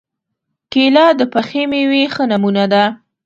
کېله د پخې مېوې ښه نمونه ده.